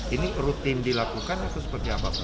ini rutin dilakukan atau seperti apa pak